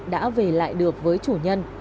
đã về lại được với chủ nhân